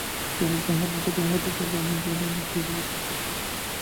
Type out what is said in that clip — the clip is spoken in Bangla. কেবল তাহার মাথাটা উহাদের দালানের জানোলা কি রোয়াক হইতে দেখা যায়।